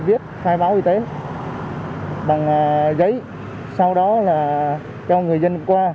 viết khai báo y tế